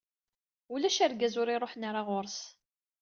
Ulac argaz ur iruḥen ara ɣur-s.